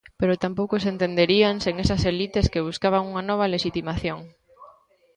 Pero tampouco se entenderían sen esas elites que buscaban unha nova lexitimación.